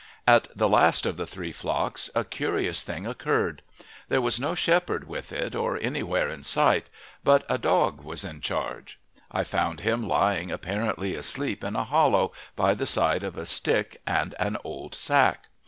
At the last of the three flocks a curious thing occurred. There was no shepherd with it or anywhere in sight, but a dog was in charge; I found him lying apparently asleep in a hollow, by the side of a stick and an old sack.